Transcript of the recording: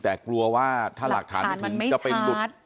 แต่กลัวว่าถ้าหลักฐานไม่ถึงจะไปหลุด